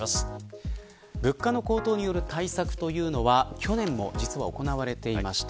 物価の高騰による対策というのは去年も実は行われていました。